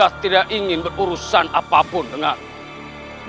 akan tidak ada peruntuk berdamai dari awal kami